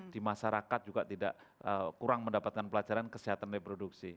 di masyarakat juga tidak kurang mendapatkan pelajaran kesehatan reproduksi